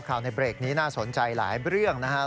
ข่าวในเบรกนี้น่าสนใจหลายเรื่องนะฮะ